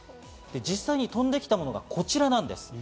実際に飛んできたものがこちらなんです。